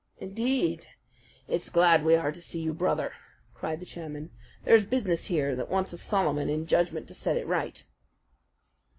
"Indeed, it's glad we are to see you, Brother!" cried the chairman. "There's business here that wants a Solomon in judgment to set it right."